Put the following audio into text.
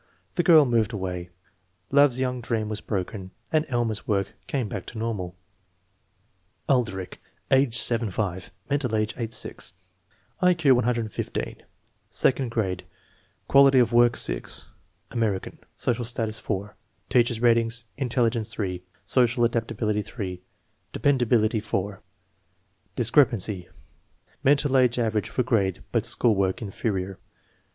The girl moved away, love's young dream was broken, and Elmer's work came back to normal. Aldrich. Age 7 5, mental age 8 6, I Q 115, second grade, quality of work 6. American, social status 4. Teacher's ratings: intelligence 3, social adaptability 3, de pendability 4. Discrepancy: Mental age average for grade but school work "inferior."